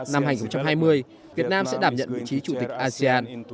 năm hai nghìn hai mươi việt nam sẽ đảm nhận vị trí chủ tịch asean